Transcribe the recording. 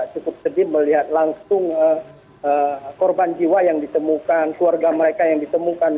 cukup sedih melihat langsung korban jiwa yang ditemukan keluarga mereka yang ditemukan